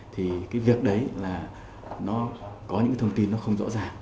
thì cái việc đấy là nó có những cái thông tin nó không rõ ràng